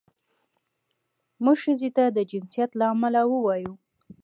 موږ ښځې ته د جنسیت له امله ووایو.